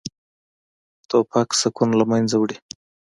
توپک سکون له منځه وړي.